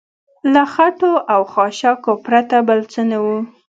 له خټو او خاشاکو پرته بل څه نه و.